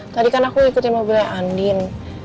tadi kan aku ikutin mobilnya andin